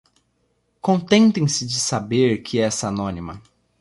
Contentem-se de saber que essa anônima